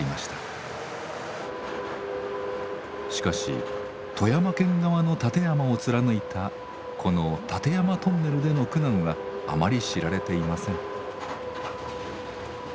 しかし富山県側の立山を貫いたこの「立山トンネル」での苦難はあまり知られていません。